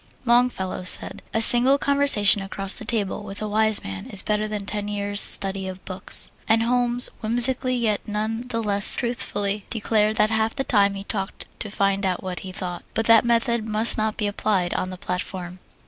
Longfellow said: "A single conversation across the table with a wise man is better than ten years' study of books," and Holmes whimsically yet none the less truthfully declared that half the time he talked to find out what he thought. But that method must not be applied on the platform!